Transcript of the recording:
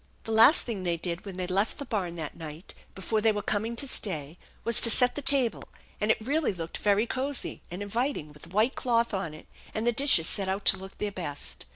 The last thing they did when they left the barn that night before they were coming to stay was to set the table, and it really looked very cozy and inviting with a white cloth on it and the dishes set out to look their best.